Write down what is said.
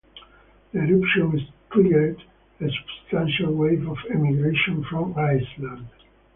The eruption triggered a substantial wave of emigration from Iceland.